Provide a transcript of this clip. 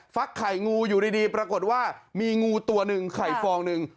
ไข่งูอยู่ดีปรากฏว่ามีงูตัวหนึ่งไข่ฟองหนึ่ง